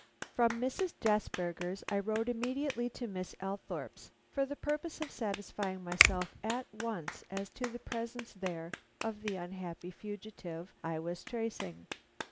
From Mrs. Desberger's I rode immediately to Miss Althorpe's, for the purpose of satisfying myself at once as to the presence there of the unhappy fugitive I was tracing.